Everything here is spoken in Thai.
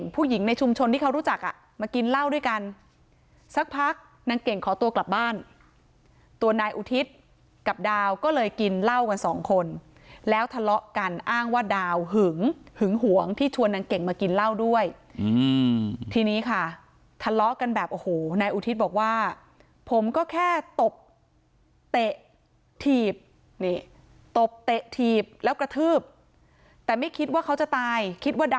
ผู้หญิงในชุมชนที่เขารู้จักอ่ะมากินเหล้าด้วยกันสักพักนางเก่งขอตัวกลับบ้านตัวนายอุทิศกับดาวก็เลยกินเหล้ากันสองคนแล้วทะเลาะกันอ้างว่าดาวหึงหึงหวงที่ชวนนางเก่งมากินเหล้าด้วยทีนี้ค่ะทะเลาะกันแบบโอ้โหนายอุทิศบอกว่าผมก็แค่ตบเตะถีบนี่ตบเตะถีบแล้วกระทืบแต่ไม่คิดว่าเขาจะตายคิดว่าด